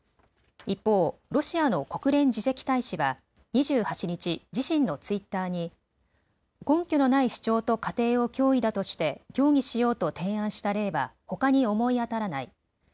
一方、ロシアの国連次席大使は２８日、自身のツイッターに根拠のない主張と仮定を脅威だとして協議しようと提案した例はほかに思い当たらない。